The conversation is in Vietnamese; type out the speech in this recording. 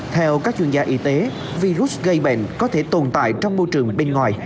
theo các chuyên gia y tế virus gây bệnh có thể tồn tại trong môi trường bên ngoài